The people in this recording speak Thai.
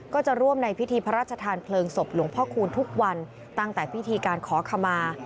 ก็จะร่วมในพิธีพระราชทานเพลิงศพหลวงพ่อคูณทุกวันตั้งแต่พิธีการขอขมา